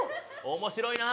面白いな。